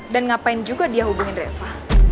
dan ngapain juga dia hubungin reva